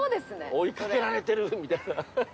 追いかけられてる！みたいな。